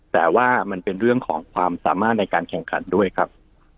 แต่ว่ามันเป็นเรื่องของความสามารถในการแข่งขันด้วยครับ